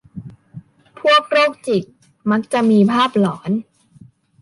พวกโรคจิตมักจะมีภาพหลอน